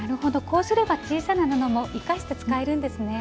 こうすれば小さな布も生かして使えるんですね。